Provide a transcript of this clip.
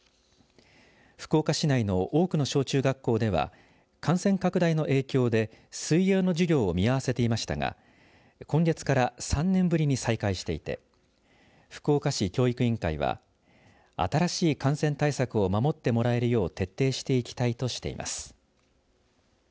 福岡市内の多くの小中学校では感染拡大の影響で水泳の授業を見合わせていましたが今月から３年ぶりに再開していて福岡市教育委員会は新しい感染対策を守ってもらえるよう徹底していきたいとしています。